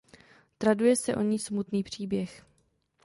Traduje se o ní smutný příběh.